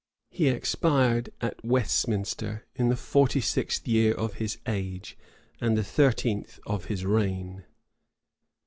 He expired at Westminster, in the forty sixth year of his age, and the thirteenth of his reign.